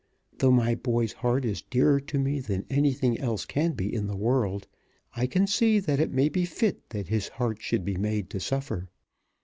Though my boy's heart is dearer to me than anything else can be in the world, I can see that it may be fit that his heart should be made to suffer.